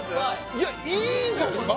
いやいいんじゃないですか？